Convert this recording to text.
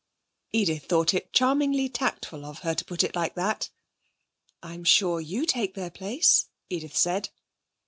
Edith thought it charmingly tactful of her to put it like that. 'I'm sure you take their place,' Edith said.